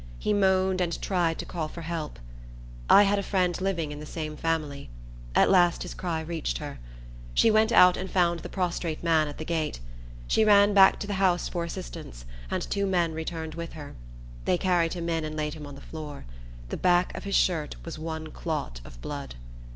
He moaned, and tried to call for help. I had a friend living in the same family. At last his cry reached her. She went out and found the prostrate man at the gate. She ran back to the house for assistance, and two men returned with her. They carried him in, and laid him on the floor. The back of his shirt was one clot of blood.